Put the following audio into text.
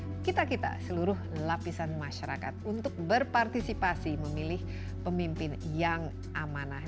jadi kita harus memiliki seluruh lapisan masyarakat untuk berpartisipasi memilih pemimpin yang amanah